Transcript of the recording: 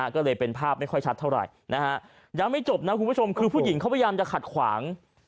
ก็เลยเป็นภาพไม่ค่อยชัดเท่าไหร่นะฮะยังไม่จบนะคุณผู้ชมคือผู้หญิงเขาพยายามจะขัดขวาง